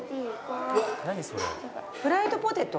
フライドポテト？